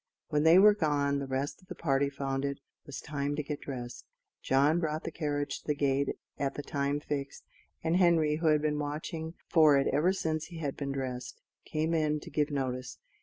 When they were gone the rest of the party found it was time to get dressed. John brought the carriage to the gate at the time fixed; and Henry, who had been watching for it ever since he had been dressed, came in to give notice.